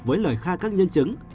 với lời kha các nhân chứng